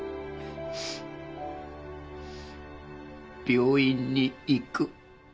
病院に行く。